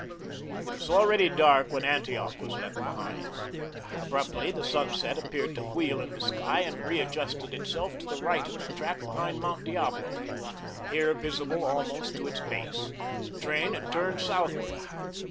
It was already dark when Antioch was left behind. Abruptly the sunset appeared to wheel in the sky and readjusted itself to the right of the track behind Mount Diablo, here visible almost to its base. The train had turned southward.